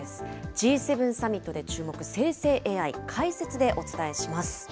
Ｇ７サミットで注目、生成ＡＩ、解説でお伝えします。